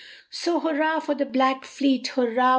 So hurrah for the Black Fleet, hurrah!